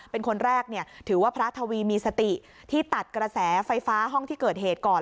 เป็นคนแรกเนี่ยถือว่าพระทวีมีสติที่ตัดกระแสไฟฟ้าห้องที่เกิดเหตุก่อน